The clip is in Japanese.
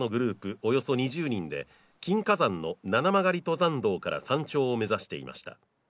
およそ２０人で金華山の七曲り登山道から山頂を目指していました。